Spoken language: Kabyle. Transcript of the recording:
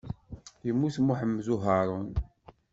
Yemmut Muḥemmud Uharun.